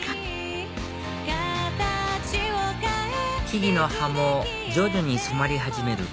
木々の葉も徐々に染まり始める